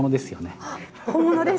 本物です。